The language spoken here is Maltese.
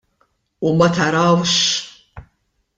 U ma tarawx!